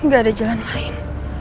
gak ada jalan lain